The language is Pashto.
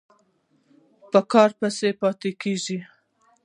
په کار پسې به پاتې کېږې.